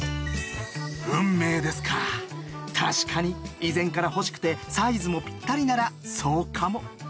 確かに以前から欲しくてサイズもぴったりならそうかも。